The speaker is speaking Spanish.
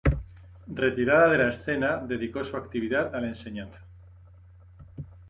Retirada de la escena, dedicó su actividad a la enseñanza.